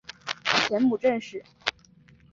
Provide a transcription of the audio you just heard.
前母郑氏。